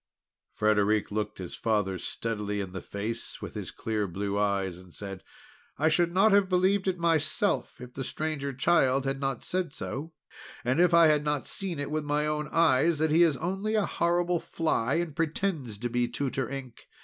Frederic looked his father steadily in the face with his clear blue eyes, then said: "I should not have believed it myself, if the Stranger Child had not said so, and if I had not seen with my own eyes that he is only a horrible fly, and pretends to be Tutor Ink.